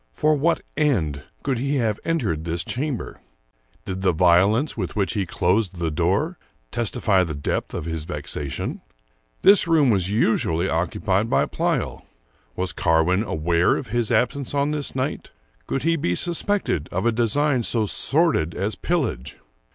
For what end could he have entered this chamber? Did the vio lence with which he closed the door testify the depth of his vexation? This room was usually occupied by Pleyel. Was Carwin aware of his absence on this night? Could he be suspected of a design so sordid as pillage?